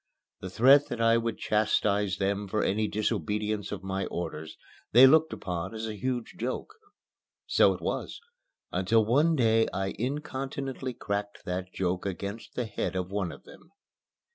The threat that I would chastise them for any disobedience of my orders they looked upon as a huge joke. So it was, until one day I incontinently cracked that joke against the head of one of them.